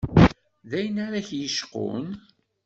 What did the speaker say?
D ayen ara k-yecqun?